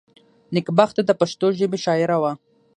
نېکبخته دپښتو ژبي شاعره وه.